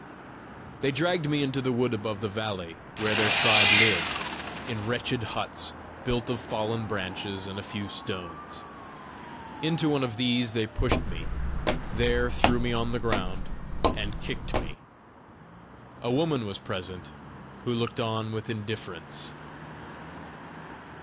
They dragged me into the wood above the valley, where their tribe lived in wretched huts, built of fallen branches and a few stones. Into one of these they pushed me, there threw me on the ground, and kicked me. A woman was present, who looked on with indifference.